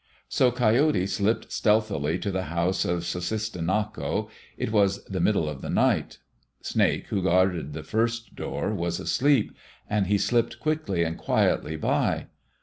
So Coyote slipped stealthily to the house of Sussistinnako. It was the middle of the night. Snake, who guarded the first door, was asleep, and he slipped quickly and quietly by.